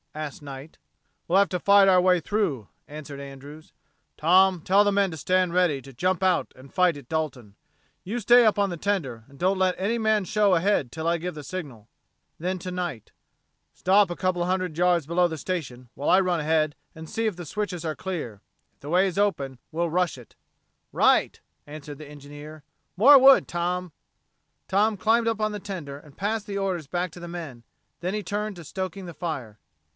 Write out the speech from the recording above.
asked Knight. "We'll have to fight our way through," answered Andrews. "Tom, tell the men to stand ready to jump out and fight at Dalton. You stay up on the tender and don't let any man show a head until I give the signal." Then, to Knight: "Stop a couple of hundred yards below the station while I run ahead and see if the switches are clear. If the way is open, we'll rush it." "Right," answered the engineer. "More wood, Tom." Tom climbed up on the tender and passed the orders back to the men; then he turned to stoking the fire.